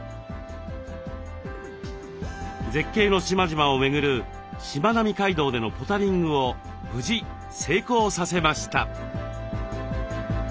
絶景の島々を巡るしまなみ海道でのポタリングを無事成功させました。